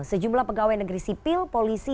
sejumlah pegawai negeri sipil polisi